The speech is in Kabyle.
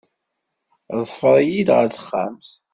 Ḍfer-iyi-d ɣer texxamt.